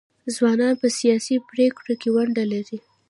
ځوانان په سیاسي پریکړو کې ونډه لري.